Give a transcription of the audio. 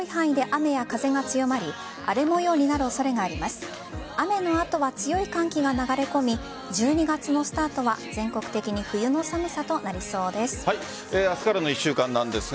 雨の後は強い寒気が流れ込み１２月のスタートは全国的に冬の寒さとなりそうです。